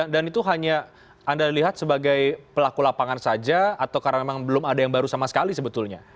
dan itu hanya anda lihat sebagai pelaku lapangan saja atau karena memang belum ada yang baru sama sekali sebetulnya